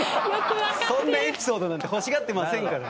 そんなエピソードなんて欲しがってませんから。